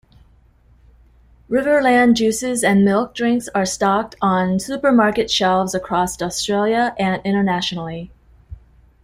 Riverland juices and milk drinks are stocked on supermarket shelves across Australia and internationally.